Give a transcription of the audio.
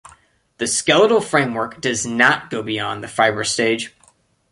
The skeletal framework does not go beyond the fibrous stage.